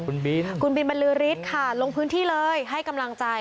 คุณบินค่ะคุณบินบรรลือฤทธิ์ค่ะลงพื้นที่เลยให้กำลังใจ